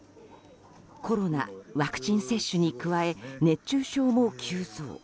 コロナ、ワクチン接種に加え熱中症も急増。